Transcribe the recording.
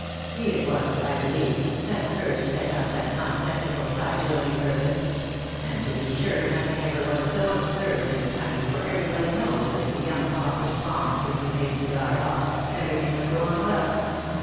He it was, I believe, that first set up that nonsensical cry to any purpose ; and to be sure, nothing ever was so absurd in a country where every body knows that if the young pauper spawn could but be made to die off, every thing would go on well.